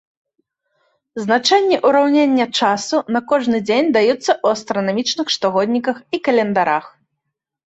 Значэнні ўраўнення часу на кожны дзень даюцца ў астранамічных штогодніках і календарах.